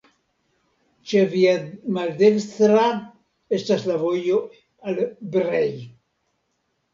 Ĉe via maldekstra estas la vojo al Brej.